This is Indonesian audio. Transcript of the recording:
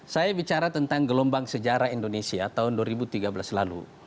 saya bicara tentang gelombang sejarah indonesia tahun dua ribu tiga belas lalu